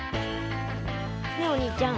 ねえお兄ちゃん。